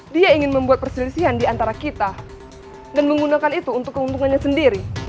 dia ingin membuat perselisihan di antara kita dan menggunakan itu untuk keuntungannya sendiri